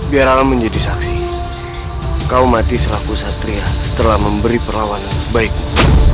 biar aku menjadi saksi kau mati seraku satria setelah memberi perlawanan kebaikmu